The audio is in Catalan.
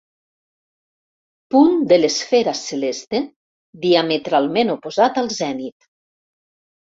Punt de l'esfera celeste diametralment oposat al zenit.